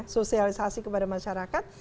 sosialisasi kepada masyarakat